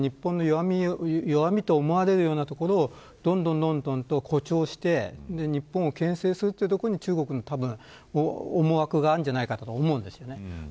日本の弱みと思われるようなところをどんどん誇張して、日本をけん制するというところに中国の思惑があるんじゃないかと思います。